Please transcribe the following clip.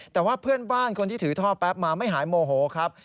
แต่ว่าเพื่อนบ้านคนที่ถือท่อแป๊บมาไม่หายโมโหครับ